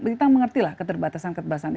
kita mengertilah keterbatasan keterbatasan